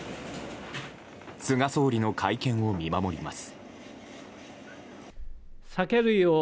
菅総理の会見を見守ります。